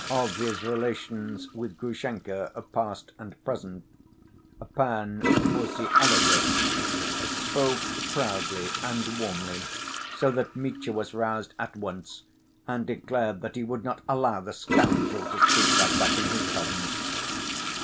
Of his relations with Grushenka, past and present, Pan Mussyalovitch spoke proudly and warmly, so that Mitya was roused at once and declared that he would not allow the "scoundrel" to speak like that in his presence!